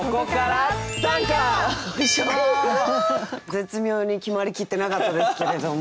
絶妙に決まりきってなかったですけれども。